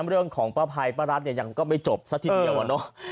เรื่องของป้าภัยป้ารัฐเนี่ยยังก็ไม่จบซะทีเดียวอะเนาะ